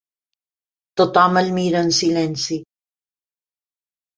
Tothom el mira en silenci.